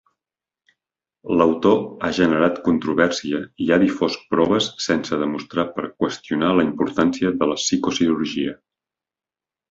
L'autor ha generat controvèrsia i ha difós proves sense demostrar per qüestionar la importància de la psicocirurgia.